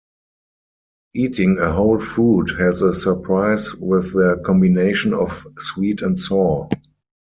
Eating a whole fruit has a surprise with the combination of sweet and sour.